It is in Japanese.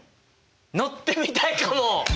乗ってみたいかも！